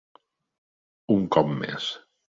Un cop més.